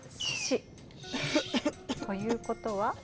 獅子。ということは？